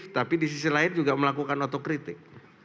tapi di sisi lain juga melakukan otokritik